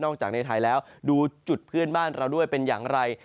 จากในไทยแล้วดูจุดเพื่อนบ้านเราด้วยเป็นอย่างไร